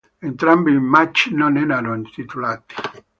Entrambi i match non erano titolati.